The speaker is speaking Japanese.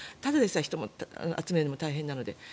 ただでさえ人を集めるのも大変なので。